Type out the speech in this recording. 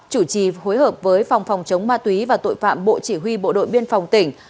chủ trì phối hợp với phòng phòng chống ma túy và tội phạm bộ chỉ huy bộ đội biên phòng tỉnh